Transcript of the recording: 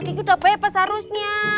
ki ki udah bebas harusnya